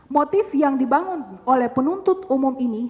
motif yang dibangun oleh penuntut umum ini